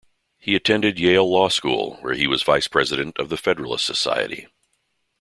He attended Yale Law School, where he was vice president of the Federalist Society.